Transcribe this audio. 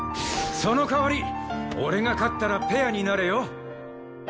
その代わり俺が勝ったらペアになれよ！